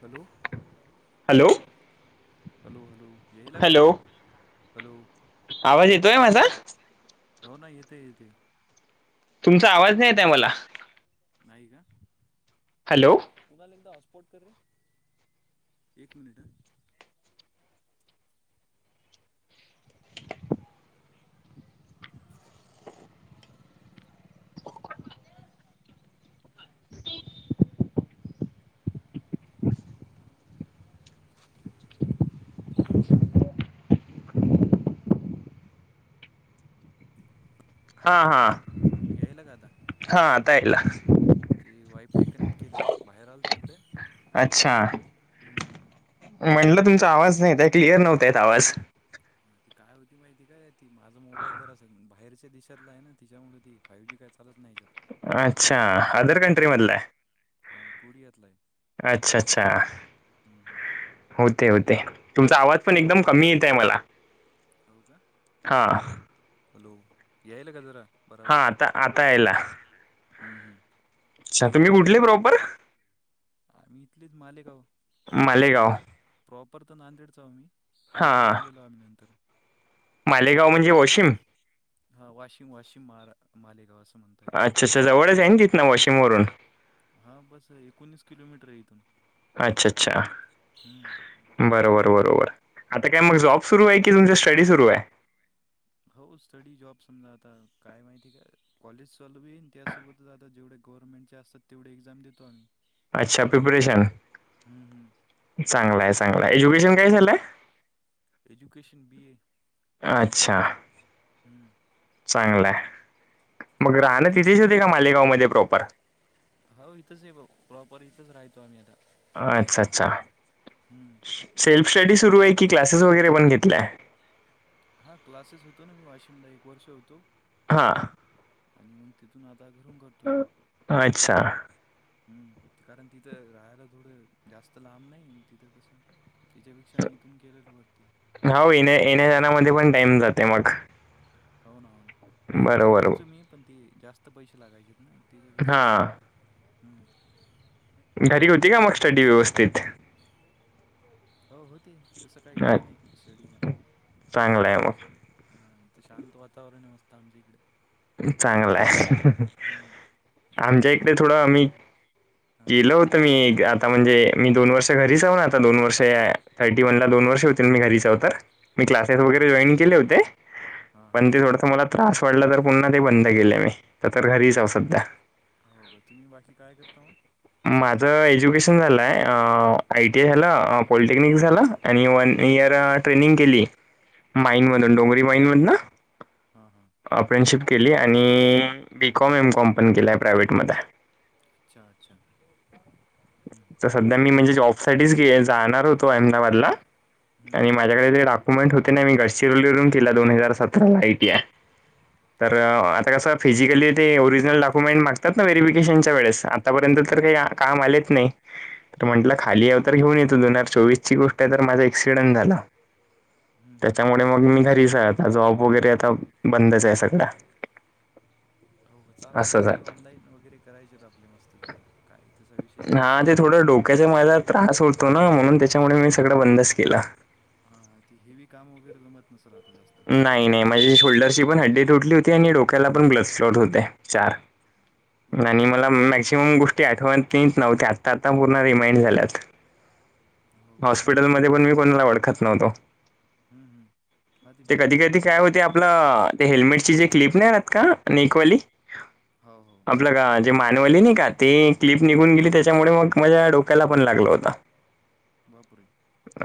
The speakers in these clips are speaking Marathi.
हॅलो हॅलो हॅलो हॅलो येई ला का हॅलो आवाज. हॅलोवा आवाज येतोय माझा येत हो ना येते येते. तुमचा आवाज नाही येत आहे तुमचा मला आवाज य आहे मला नाही का? हॅलो. कुणाल एगदा हॉटस्पॉट कर रे एक मिनिट [unintelligible] हा हा. यायला का आता हा आता याला ते वायफाय कनेक्ट केलं बाहेर आलतो इकडे अच्छा अच्छा हम् हम्. म्हणलं तुमचा आवाज नाही क्लिअर नव्हता येत आवाज हा ती काय होती माहिती काय ती माझा मोबाईल जरा अस बाहेरच्या देशातला आहे ना तिच्यामुळे ती फाईवजी काय चालत नाही याच्यात अच्छा औदर कंट्री हम्म मधलय. हा कुरियातलाय. अच्छा, अच्छा,.. हम्म होतय, होतय, तुमचा आवाज पण एकदम कमी येत आहे मला हो का हा. हॅलो? याईल का जरा. हा, आता आता यायला. हम. हम. अच्छा, तुम्ही कुठले प्रॉपर? आम्ही इथलेच मालेगाव मालेगाव म्हणजे- प्रॉपर तर नांदेडचव आम्ही, पण इकडं हां आलेलो आम्ही नंतर. मालेगाव म्हणजे वाशीम? हा वाशिम, वाशिम माार मालेगाव असं म्हणताय. अच्छा, अच्छ, जवळच आहे ना तिथन वाशीम वरुन? हा, बस एकोणीस किलोमीटर आहे इथून. अच्छा, अच्छा, हम्म. बर. बर. बर. आता काय मग तुमचं जॉब सुरू आहे- की तुमचा स्टडी सुरू आहे? हो, स्टडी जॉब समजा आता काय माहिती काय? कॉलेज चालू बी हाय आणि त्यासोबत आता जेवढे गव्हर्नमेंटचे असतात, तेवढे एक्झाम देतो आम्ही. अच्छा, प्रिपरेशन हम्म, हम्म. चांगलाय, चांगलाय एज्युकेशन काय झालंय? Education B A. अच्छा.., हम्म [inaudible] चांगलंय मग राहणं तिथेच त्यासोबत होती का, मालेगाव मध्ये प्रॉपर? हो इथंच आहे भाऊ, प्रॉपर इथंच राहितो आम्ही आता. अच्छा, अच्छा, अं, हम्म. सेल्फ स्टडी सुरू आहे की, क्लासेस वगैरे पण घेतलाय? हा क्लासेस होतो ना, मी वाशिमला एक वर्ष होतो. हां. आणि मग तिथून आता घरून करतो मी. अच्छा., हम्, ते कारण तिथं राहायला थोडं जास्त लांब नाही तिथं कसं- तिच्यापेक्षा मी इथून केलेल बर ते. हाव येण्या, येण्या-जाण्यामध्ये पण टाइम जाते मग. हो ना, हो ना, नाही तिथ तर बरोबर. राहायचो मी, पण ते जास्त पैसे लागायचेत ना. त्याच्यापेक्षा हां, मग- घरी होती का, मग स्टडी व्यवस्थित? हो, होते तस काही विषय नाही स्टडीचा. चांगलाय मग. हा, इथे शांत वातावरण मस्तं आमच्या इकडे. चांगला आहे, हम्म आमच्या अभ्यासिका इकडे थोड वगैरे पण आम्ही- येत हां हां केलं होतं मी, आता म्हणजे, मी दोन वर्ष घरीच ना आता दोन वर्ष- थर्टी वन ला दोन वर्ष होतील मी घरीच हाव त- मी क्लासेस वगैरे हो का जॉईन केले होते, हां हां पण ते थोडस मला त्रास व्हायला- पुन्हा ते बंद केलं मी, तर घरीच आव सध्या. हो का? तुम्ही बाकी काय करता मग? माझं एज्युकेशन झालंय, अ.. आय टी आय ला पॉलिटेक्निक झाला. आणि वन हम्म हम्म इयर ट्रेनिंग केली, माईनमधून डोंगरी माईनमधन. हा, हा. अपँडेंटशीप केली आणि बीकॉम, एम कॉंम पण केलाय प्रायव्हेटमध्ये. अच्छा, अच्छा. हम्म हम्म तर सध्या मी म्हणजे जॉब साठी जाणार होतो, अहमदाबादला- हम्म आणि हम्म माझ्याकडे ते- मेट होते ना म गडचिरोलीूवरून केला दोन हजार सतरा ला आयटी तर हो का आता कस, फिजिकली ते ओरिजिनल डॉक्युमेंट् मागतात ना व्हेरीफिकेशनच्या वेळेस आतापर्यंत तर हां काही हो काम आले, नाही हो ना म्हटलं हो ना खाली याव तर घेऊन येतो दोन हजार चोवीस ची गोष्ट आहे तर माझा एक्सिडेंट झाला. हम्म हम्म त्याच्यामुळे मग मी घरीच आता जॉब वगैरे, आता बंदच आहे सध्या अस, ऑलाईन वगैरे करायचेत आपले मस्त जॉब काय त्याचा विषय येत नाही. हा ते थोडं डोक्याचा मला त्रास होतो ना, म्हणून त्याच्यामुळे मी सगळं बंदच केला. हा ती हेवी काम वगैरे जमत नसल आता जास्त, नाही नाही माझे शोल्डरची पण हड्डी तुटली होती आणि डोक्याला पण ब्लड फ्लोट होते चार, बापरे आणि मला मॅक्झिमम गोष्टी, ते नीट आठवत नव्हतं, आता आता पूर्ण रिमाइंड झाल्यात. हो का सिरियस हॉस्पिटलमध्ये झालतं पण का मी कोणाला ओळखत नव्हतो. हम्म हम्, ते कधी कधी काय होते हां आपलं ते हेल्मेटची जे क्लिप नाही आहेत का नेकवाली, हो हो, आपलं का जे मानवली नाही का ती क्लिप निघून गेली त्याच्यामुळे मग माझ्या डोक्याला पण लागला होता. [unintelligible] बापरे,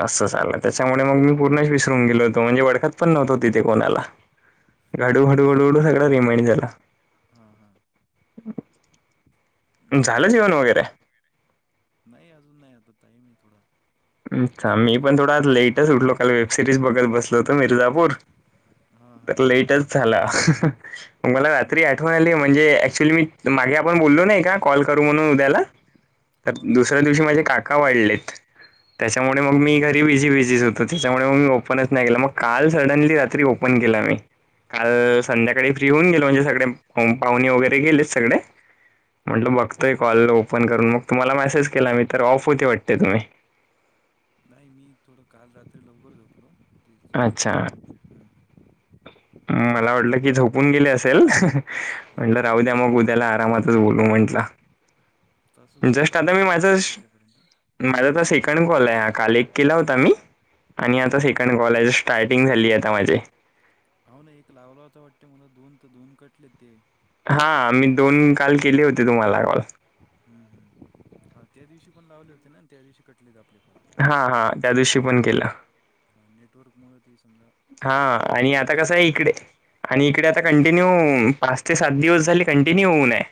असं चाललं त्याच्यामुळे मग मी पूर्णच विसरून गेलो होतो म्हणजे ओळखत, पण नव्हतो तिथे कोणाला हडूहळू सगळं रिमाइंड झाला. हा हा, हम्म. झालं जेवन म्हणजे वगैरे, नाही अजून, नाही आता टाईम आहे थोडा, अच्छा मी उशिराच पण करतो थोडा थोडं जेवण लेटच उठलो काल वेब सिरीज बघत बसलो होत मिर्जापूर, हां हां तर लेटच झाला मग मला रात्री आठवण मिर्झापूर आली म्हणजे ऍक्च्युली मी, तर मागे आपण बोललो नाही का कॉल करू म्हणून उद्याला तर हो ना हो ना दुसऱ्या दिवशी माझे का, का वाढलेत त्याच्यामुळे मग हो मी का घरी बिझी बिझीच होतो त्याच्यामुळे मग मी ओपनच नाही गेला मग, काल सडनली रात्री ओपन केला मी हम्म काल हम्म संध्याका, फ्री होऊन गेल म्हणजे सगळे पाहुणे वगैरे गेले सगळे म्हटलं हां बघ, तो कॉल ओपन करून मग तुम्हाला मेसेज केला मी तर ऑफ होते वाटते तुम्ही, नाही मी थोडं काल रात्री लवकर झोपलो ते, अच्छा, थोडं हम्म, मला वाटलं की झोपून गेले असेल म्हंटलं नाही राहू द्या मग उद्याला आरामात, तसंच बोलू म्हटला, तसं तर झोपत नाही बारा याच्यापर्यंत माझा तर सेकंड कॉल आहे काल केला होता मी हम्म आणि आता हम्म सेकंड कॉल, कॉलेज स्टार्टिंग झाली आहे आता माझे, अह ना एक लावला होतां वाटते मला दोन तर दोन कटले ते, हा मी दोन काल केले होते तुम्हाला कॉल हम् हम् हा त्या दिवशी पण लावले होते ना त्या दिवशी कटलेत आपले कोण हा हा त्या दिवशी पण केलं हा नेटवर्क मु ती समजा हा हॉटस्पॉट मला आणि आता घेणंच कसं आहे लागते इकडे आणि इकडे आता हम्म कंटिन्यू पा ते सात दिवस झाले कंटिन्यू होऊय आहे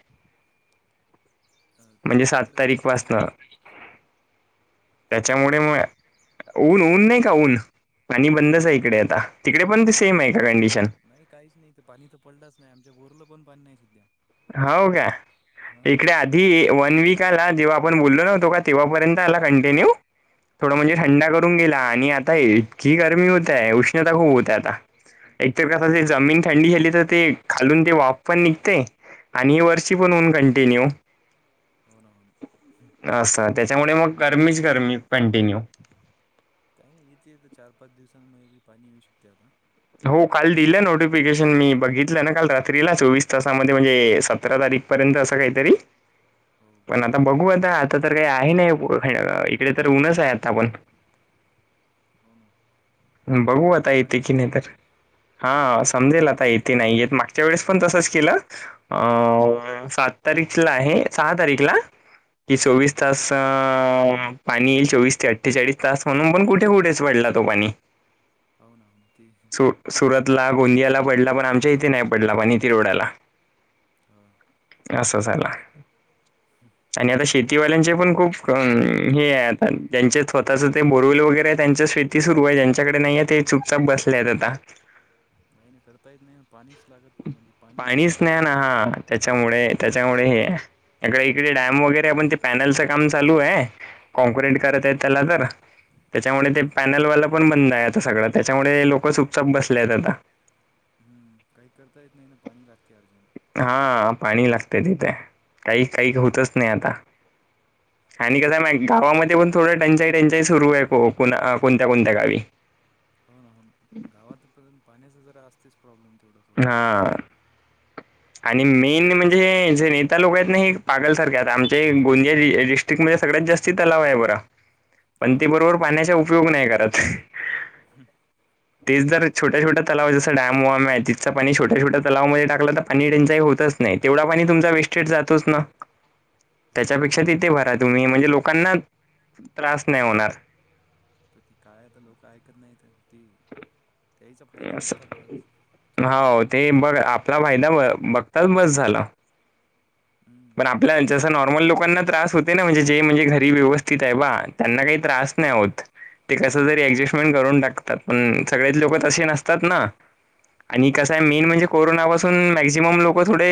अ, म्हणजे सात तिकडं गाव तारीखपासनं को कोणचं गाव त्याच्यामुळे आहे मग म्हणले ऊन ऊन नाही का ऊन आणि हां हां बंदच आहे हां इकडे आता तिकडे पण ते हो ना सेम आहे का कंडिशन नाही काहीच नाही तर पाणी तर पडलंच नाही आमच्या गोरला पण पाणी नाही सध्या हो का हां इकडे आ ही वन वीक आला जेव्हा आपण बोललो नव्हतो का तेव्हापर्यंत आला कंटिन्यू थोडं हम्म म्हणजे हम्म थंडा करून गेला आणि आता इतकी गरमी होतय उष्ण क हो ना हो ना ज म्हणजे थंडी झाली तर ते खालून ते वाफ पण निघते आणि हां वर्षी पण होऊन कंटिन्यू हो ना हो ना असं त्याच्यामुळे मग गर्मीच गर्मी कंटिन्यू काही नाही इथे तर चार पाच दिवसांमुळे बी पाणी येऊ शकते आता हो काल दिलं हम्म. नोटिफिकेशन मी बघित ना काल रात्रीला चोवीस तासामध्ये म्हणजे सतरा तारीख पर्यंत असं काहीतरी हो पण आता बघू आता आता तर काही आहे नाही इकडे तर ऊनच आहे आता आपण ठका ना बघू पडल आता पण येते पाणी की असं नाही तर वाटायला हा समजेल आता येते नाही येत मागच्या वेळेस पण तसंच केलं अ हा सात तारीखला आहे सहा तारीखला की हम्म चोवीस हम्म तास अ पाणी येईल चोवीस ते अठ्ठेचाळीस तास म्हणून पण कुठे कुठेच पडला तो पाणी होन ना ते सु सुरतला गोंदियाला पडला पण आमच्या इथे नाही पडला पण इथ रोडाला हा असं झाला हम् आणि आता शेतीवाल्यांचे पण खूप हे आहे आता त्यांचे हो स्वतःच ना ते बोरवल वगैरे त्यांच्या शेती सुरू आहे त्यांच्याकडे नाहीये ते चुपचाप बसले आहेत आता नाहीही नाही करता येत नाही पाणीच लागत म्हणजे पाणी असस्तं पाणीच नाही लागते ना पाणीच हा नाही त्याच्यामुळे त्याच्यामुळे हेकडे इकडे हो ना हो डॅम ना. वगैरे पण ते पॅनलच काम चालू आहे हम्म कँक्रीट हम्म करत त्याला तर हो ना त्याच्यामुळे हो ना पॅनलवा पण बंद आहे आता सगळं त्याच्यामुळे लोक चूपचाप बसल्या आहेत आता हम्म काही करता येत नाही ना पाणी लागते अर्जंट हा पाणी लागते तिथे काही काही हम्म होतच नाही आता आणि कसय मा गावामध्ये पण थोडं टंचाई टंचाई सुरू आहे कोणत्या कोणत्या गावी हो ना हो ना गावात पर्यंत पाण्याचा जरा असतेच प्रॉब्लेम तेवढा थोडा हा आणि दिस मेन म्हणजे जे नाही लोक आहेत ना हे पागलसारखे आमचे गोंदिया डिस्ट्रिक्ट ममध्ये सगळ्यात जास् तलाव आहे बरा पण हा त हो बरोबर का पाण्याचा उपयोग नाही करत तेच जर छोट्या छोट्या तलाव जसं डम वम्याय पाणी छोट्या छोट्या तलावमध्ये टाकलं तर पाणी त्यांच्याही होतच नाही तेवढा पाणी तुमचा वेस्टेड हम्म जातोच ना हो ना हो ना त्याच्यापेक्षा तिथे भरात तुम्ही म्हणजे लोकांना त्रास नाही होणार हन तर ती काय आता लोक ऐकत नाहीत ती त्याचा फायदा बघतात बस चालू हा देतात ते बघ आपला फायदा ब बघताच बस झाला ह पण आपल्याला जस नॉर्मल लोकांना त्रास होत ना म्हणजे जे म्हणजे घरी व्यवस्थित आहे बा त्यांना काही त्रास नाही आहत ते कस हम्म तरी हम्म ऍडजस्टमेंट करून टाकतात पण सगळेच हो लोक ना तसे नसतात ना आणि कस आहे मेन हो ना म्हणजे हो ना कोरोना पासून मॅक्झिमम लोक थोडे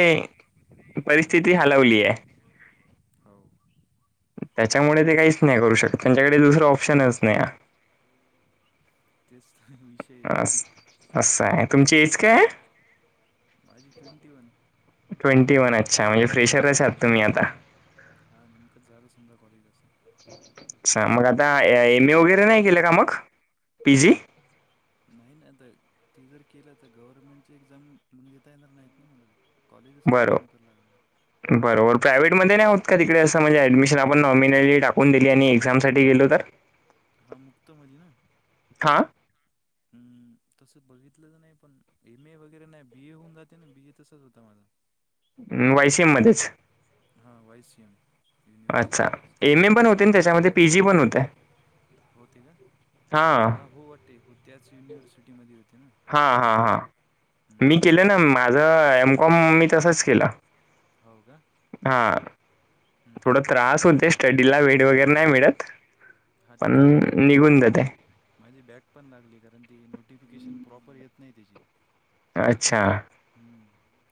स्थिती हलवली आहे हम्म. हो त्याच्यामुळे ते काहीच नाही करू शकत त्यांच्याकडे दुसरं ऑप्शनच नाही अ तेच आहे ते अस असं आहे तुमची एज काय आहे हम्म. माझी ट्वेंटी वन ट्वेंटी वन अच्छा म्हणजे फ्रेशरच आत तुम्ही आता. हा नेमकंच झालं समजा कॉलेज असं अच्छा मग आता एम ए वगैरे नाही केलं का मग पी जी? नाही ना आता ते जर केलं तर गव्हर्मेंटची एक्झाम म्हण देता येणार नाहीत ना मग कॉलेजच कटिन्यू बरोबर करणार मग बरोबर प्रायववेटमध्ये नाही होत का तिकडे असं म्हणजे ऍडमिशन आपण नॉमिनली टाकून दिली आणि एक्झामसाठी गेलो तर? [inaudible] हा मुक्त मधी ना? हां हम तसं बघितलंच नाही पण एम ए वगैरे नाही बी ए होऊन जाते ना बी ए तसाच होता माझा. वायसिएम मध्येच? हां वाईसे एम अच्छा युनिवर्सिटी एम ए पण हां होते ना त्याच्यामध्ये पी जी पण होतं होते का हां हा हो वाटते हो त्याच युनिव्हर्सिटीमध्ये होते ना? हा सेम हां हां मी केलं ना माझं एमकॉम मी तसंच हो का? हा हम्म. थोड हम्म. त्रास होते स्टडीला वेड वगैरे नाही मिळत हा ती पण काय होती माहिती निघून का जाते माझी माझी बॅक पण लागली कारण ती नोटिफिकेशन प्रॉपर येत नाही त्याची. अच्छा. ह्म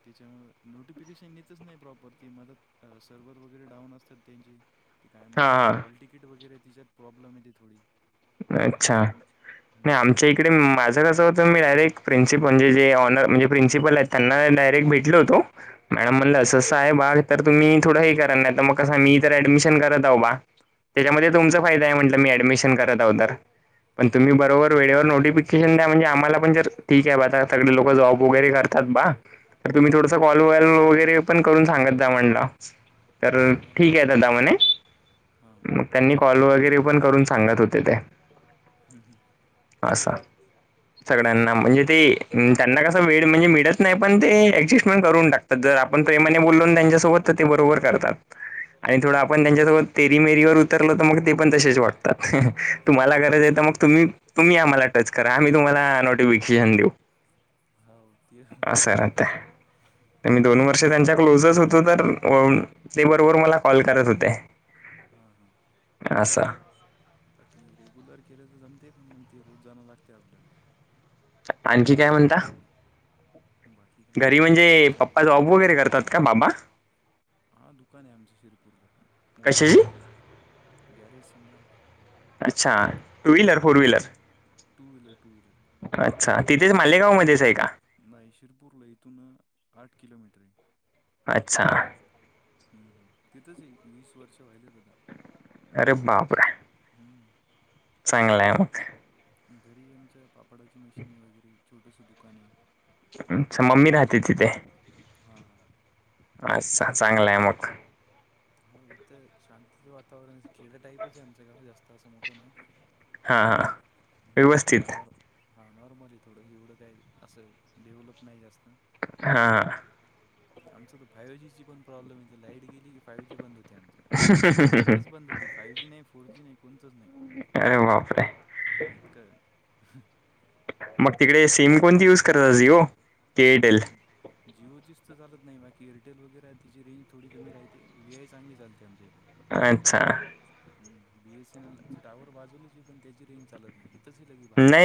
त्याच्यामुळे नोटिफिकेशन येतच नाही प्रॉपर ती मदत सर्व्ह वगैरे डाऊन असतात त्यांची ते काय म्हणतात हां हॉल टिकीट वगैरे तिच्यात प्रॉब्लेम आहे थोडी अच्छा. नाही हम्म आमच्या इकडे माझं कसं होतं मी डायरेट प्रिन्सिपल म्हजे ऑनर म्हणे प्रिन्सिपल आहेत त्यांना डायरेक्ट भेटल होतो मॅडम हा म्हणलं असं आहे बा तर तुम्ही थोडं हे करणार नाही तर मग कसां मी इतर ऍडमिशन करत आहो बा त्याच्यामध्ये तुमचा फायदा म्हटल मी ऍडमिशन करत आहोत तर पण हो ना तूमी हो ना बरोबर वेळेवर नोटिफिकेशन द्या म्हणजे आम्हाला पण जर ठीक आहे ब आता सगळे लोक जॉब वगैरे करतात बा तर तुम्ही थोडंसं कॉल वॉल वगैरे करून सांगत जा म्हणल तर हो ना ठीक हो आहे ना दादा मणे हा मग त्यांनी कॉल वगैरे पण करून सांगत होते त्या असा असं सगळ्यांना झालंय म्हणजे ते त्यांना कस वेळ म्हणजे मिळत नाही पण ते ऍडजस्टमेंट करून टाकत तर जर आपण प्रेमाने बोललो त्यांच्यासोबत तर ते बरोबर करतात. आणि थोडं आपण त्यांच्यासोबत तेरी मेरीवर उतरलो तर मग ते पण तसेच वागतात तुम्हाला गरज आहे तर मग तुम्ही तुम्ही आम्हाला टच करा आम्ही तुम्हाला नोटिफिकेशन देऊ. हाव ती तरते तर मी दोन वर्ष असं त्यांच्या क्लोजच होतो तर ते बरोबर मला कॉल करत होते. हा हा. आस बाकी रेग्युलर केलं तर जमते पण मग ते रोज जाणं लागते आपल्याला. आणखी काय म्हणता बाकी काही घरी नाही आता म्हणजे चालू पप्पा आहे जॉब वगैरे करतात का बाबा हा दुकान आहे आमच्या शिरपूरला कशाची मोटरसायकल गॅरेज समजा. अच्छा two wheeler four wheeler two wheeler two wheeler. अच्छा तिथेच मालेगाव मध्येच आहे का? नाही शिरपूरला इथून आठ किलोमीटर आहे. अच्छा. हम्म ह तिथंच वीस वर्ष व्हाईलेत आता अरे बापरे! हम्म चांगलंय मग. घरी आमच्या पापडाची मशीनय वगैरे छोटस दुकाने आहे. अच्छा मम्मी राहते तिथे. हा हां अच्छा चांगलं आहे मग. हो इथं शांत वातावरण खेड टाईपच आहे आमचं गाव जास्त असं मोठं नाही. हां हां हम् व्यवस्थित बरं हा नॉर्मल थोडं एवढं काही असं डेव्हलप नाही जास्त. हां आमच तर फायू जी ची पण प्रॉब्लेम ये लाईट गेली की फायू जी बंद होते आमचं. नेटवर्कच बंद होती फायू जी नाही फोर जी नाही कोणतंच नाही. अरे बापरे हा इतकं मग तिकडे सिम कोणती यूज करतात जीओ एअरटेल. जिओचीच तर चालत नाही बाकी एअरटेल वगैरे आहे तिची रेंज थोडी कमी राहते व्ही आय चांगली चालते आमच्या इकडे. अच्छा हम् B S N L tower बाजूलाच पण त्याची रेंज चालत नाही इथंच लगी नाही बाहेर.